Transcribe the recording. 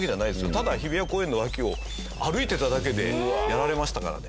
ただ日比谷公園の脇を歩いていただけでやられましたからね。